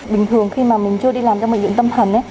bình thường khi mà mình chưa đi làm trong bệnh viện tâm thần